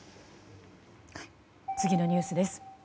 次のニュースです。